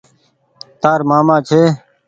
تآر مآمآ ڇي۔